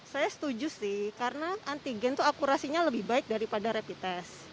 saya setuju sih karena antigen itu akurasinya lebih baik daripada rapid test